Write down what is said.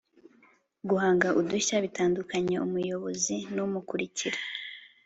"guhanga udushya bitandukanya umuyobozi n'umukurikira."